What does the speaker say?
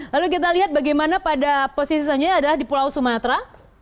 lalu kita lihat bagaimana pada posisi selanjutnya adalah di pulau sumatera